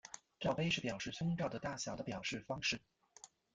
罩杯是表示胸罩的大小的表示方式。